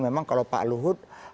memang kalau pak luhut